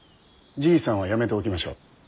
じいさんはやめておきましょう。